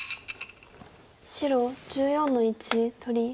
白１４の一取り。